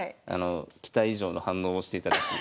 期待以上の反応をしていただき。